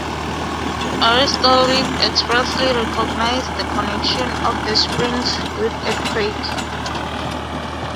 Aristotle expressly recognized the connection of the springs with earthquakes.